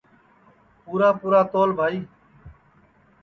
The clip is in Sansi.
پُورا پُورا تول بھائی